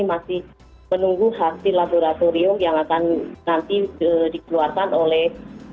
masih menunggu hasil laboratorium yang akan nanti dikeluarkan oleh